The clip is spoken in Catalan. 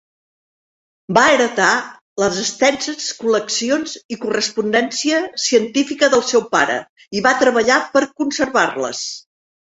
Va heretar les extenses col·leccions i correspondència científica del seu pare i va treballar per conservar-les.